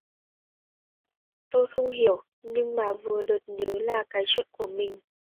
Tôi không hiểu Nhưng mà vừa chợt nhớ là cái chuyện của mình